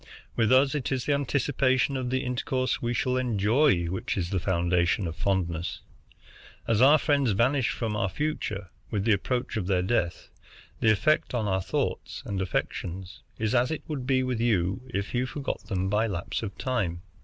With us, it is the anticipation of the intercourse we shall enjoy which is the foundation of fondness. As our friends vanish from our future with the approach of their death, the effect on our thoughts and affections is as it would be with you if you forgot them by lapse of time.